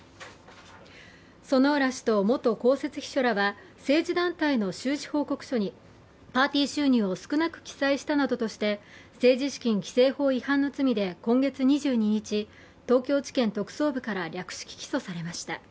薗浦氏と元公設秘書らは政治団体の収支報告書にパーティー収入を少なく記載したなどとして政治資金規正法違反の罪で今月２２日、東京地検特捜部から略式起訴されました。